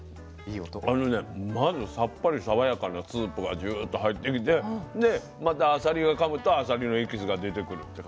あのねまずさっぱり爽やかなスープがジューッと入ってきてでまたあさりをかむとあさりのエキスが出てくるって感じ。